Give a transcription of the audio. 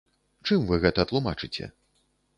Чым вы гэта тлумачыце?